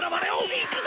行くぞ！